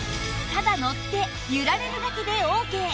ただ乗って揺られるだけでオーケー